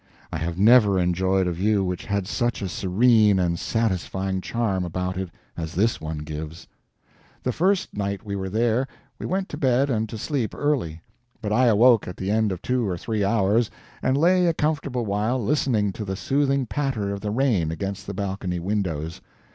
I have never enjoyed a view which had such a serene and satisfying charm about it as this one gives. The first night we were there, we went to bed and to sleep early; but I awoke at the end of two or three hours, and lay a comfortable while listening to the soothing patter of the rain against the balcony windows.